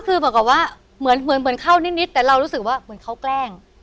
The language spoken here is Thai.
คือเหมือนกับว่าเหมือนเข้านิดแต่เรารู้สึกว่าเหมือนเขาแกล้ง